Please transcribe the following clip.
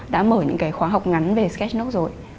đã mở những cái khóa học ngắn về sketch note rồi